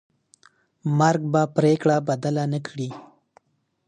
مرګ به پرېکړه بدله نه کړي.